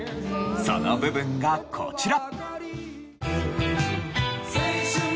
その部分がこちら。